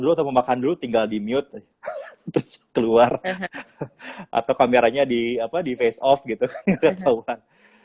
dulu atau makan dulu tinggal di mute terus keluar atau kameranya di apa di face off gitu ketahuan